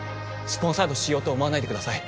スポンサードしようと思わないでください